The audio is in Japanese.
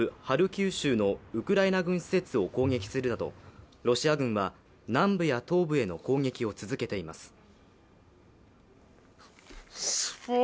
ハルキウ州のウクライナ軍施設を攻撃するなど、ロシア軍は、南部や東部への攻撃を続けています。